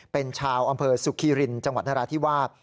เป็นชาวอำเภอสุขีรินจังหวัดนราธิวาส